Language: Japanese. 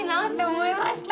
思いました。